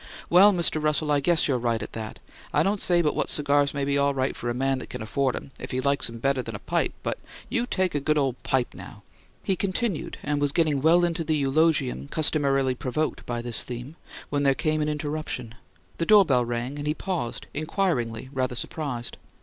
"Well, Mr. Russell, I guess you're right, at that. I don't say but what cigars may be all right for a man that can afford 'em, if he likes 'em better than a pipe, but you take a good old pipe now " He continued, and was getting well into the eulogium customarily provoked by this theme, when there came an interruption: the door bell rang, and he paused inquiringly, rather surprised.